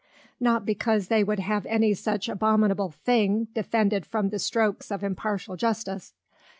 Not because they would have any such abominable thing, defended from the Strokes of Impartial Justice.